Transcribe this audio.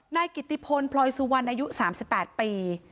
นายกิติพลพลอยสุวรรณอายุ๓๘ปี